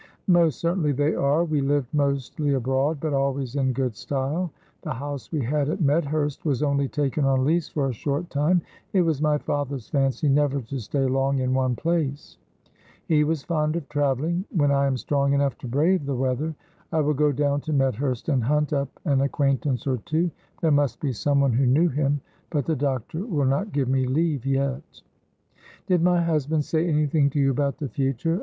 "Most certainly they are; we lived mostly abroad, but always in good style; the house we had at Medhurst was only taken on lease for a short time; it was my father's fancy never to stay long in one place; he was fond of travelling; when I am strong enough to brave the weather, I will go down to Medhurst and hunt up an acquaintance or two; there must be someone who knew him; but the doctor will not give me leave yet." "Did my husband say anything to you about the future?"